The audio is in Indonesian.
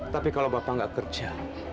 tapi kalau bapak nggak kerja